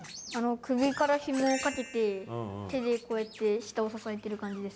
首からひもをかけて手でこうやって下を支えてる感じです。